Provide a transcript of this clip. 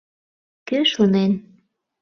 Кӧ шонен?!